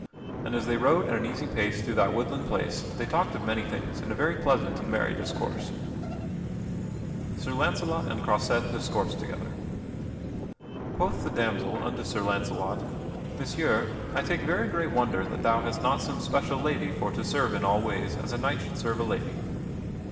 And as they rode at an easy pace through that woodland place they talked of many things in a very pleasant and merry discourse. Quoth the damsel unto Sir Launcelot: "Messire, I take very great wonder that thou hast not some special lady for to serve in all ways as a knight should serve a lady."